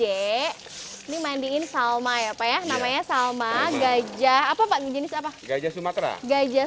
ini mandiin salma ya pak ya namanya salma gajah apa pak jenis apa gajah sumatera gajah